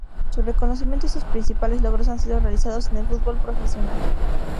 Su reconocimiento y sus principales logros han sido realizados en el fútbol profesional.